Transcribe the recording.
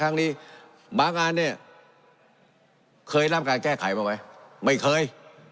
บางงานเนี่ยเคยร่ำการแก้ไขมาไหมไม่เคย